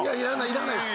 要らないです